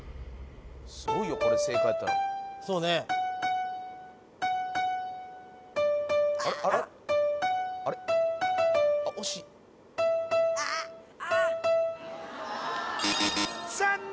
すごいよこれで正解やったら残念！